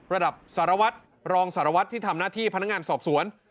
ระดับสารวัตรรองสารวัตรที่ทำหน้าที่พนักงานสอบสวน